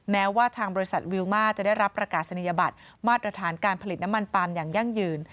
แม้ว่าบริษัทวิลมาชจะรับประกาศธัณฑ์มัตรฐานการผลิตน้ำมันปลาบอย่างย่างยืน